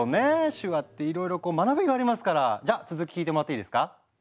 手話っていろいろ学びがありますからじゃ続き聞いてもらっていいですか？